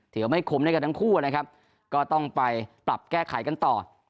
ถือว่าไม่คมด้วยกันทั้งคู่นะครับก็ต้องไปปรับแก้ไขกันต่อ